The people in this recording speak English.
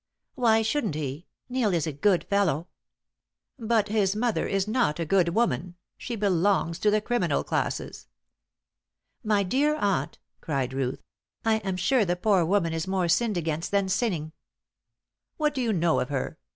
"Why shouldn't he? Neil is a good fellow!" "But his mother is not a good woman. She belongs to the criminal classes." "My dear aunt," cried Ruth, "I am sure the poor woman is more sinned against than sinning." "What do you know of her?"